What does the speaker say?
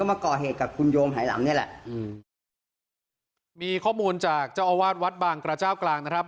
มาก่อเหตุกับคุณโยมหายลำนี่แหละอืมมีข้อมูลจากเจ้าอาวาสวัดบางกระเจ้ากลางนะครับ